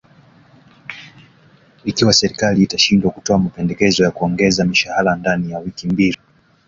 ikiwa serikali itashindwa kutoa mapendekezo ya kuongeza mishahara ndani ya wiki mbili